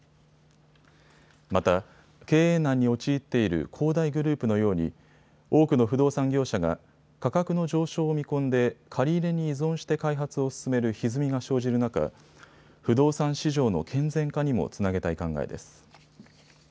また経営難に陥っている恒大グループのように多くの不動産業者が価格の上昇を見込んで借り入れに依存して開発を進めるひずみが生じる中、不動産市場の健全化にもつなげたい考えです。